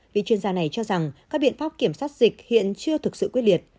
vì chuyên gia này cho rằng các biện pháp kiểm soát dịch hiện chưa thực sự quyết liệt